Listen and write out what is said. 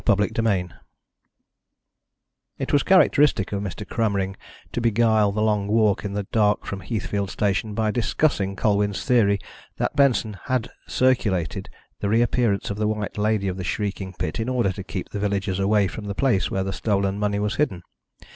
CHAPTER XXVII It was characteristic of Mr. Cromering to beguile the long walk in the dark from Heathfield Station by discussing Colwyn's theory that Benson had circulated the reappearance of the White Lady of the Shrieking Pit in order to keep the villagers away from the place where the stolen money was hidden.